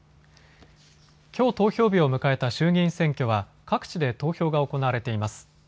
きょう投票日を迎えた衆議院選挙は各地で投票が行われています。